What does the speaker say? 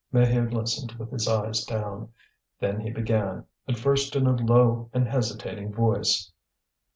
Maheu listened with his eyes down. Then he began, at first in a low and hesitating voice.